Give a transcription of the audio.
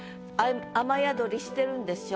雨宿りしてるんでしょ？